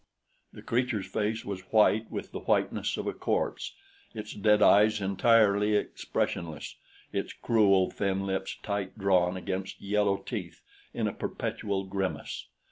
The creature's face was white with the whiteness of a corpse, its dead eyes entirely expressionless, its cruel, thin lips tight drawn against yellow teeth in a perpetual grimace.